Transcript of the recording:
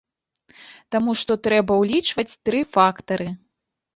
Таму што трэба ўлічваць тры фактары.